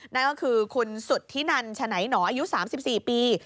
นั่นก็คือคุณสุธินันฉนัยหนออายุ๓๔ปี